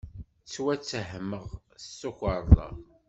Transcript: Ttwattehmeɣ s tukerḍa.